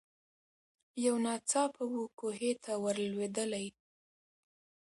یو ناڅاپه وو کوهي ته ور لوېدلې